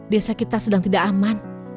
desa kita sedang tidak aman